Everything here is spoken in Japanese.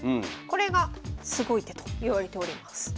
これがすごい手といわれております。